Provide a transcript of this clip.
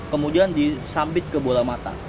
kemudian disambit ke bola mata